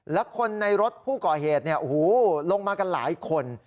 และคนในรถผู้ก่อเหตุลงมากันหลายคน